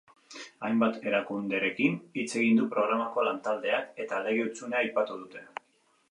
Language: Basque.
Hainbat erakunderekin hitz egin du programako lantaldeak, eta lege-hutsunea aipatu dute.